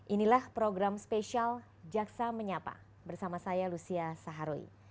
inilah program spesial jaksa menyapa bersama saya lucia saharuy